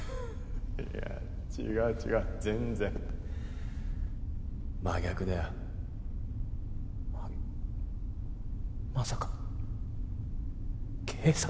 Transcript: いや違う違う全然真逆だよまさか警察？